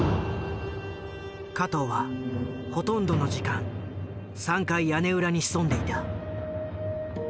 加藤はほとんどの時間３階屋根裏に潜んでいた。